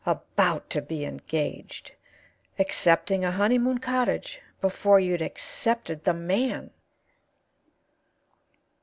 'About to be engaged!' Accepting a honeymoon cottage before you'd accepted the man!"